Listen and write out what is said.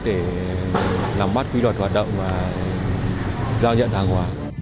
để nắm bắt quy luật hoạt động và giao nhận hàng hóa